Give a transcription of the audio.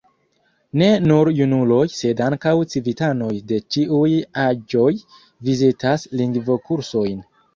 Ne nur junuloj, sed ankaŭ civitanoj de ĉiuj aĝoj vizitas lingvokursojn.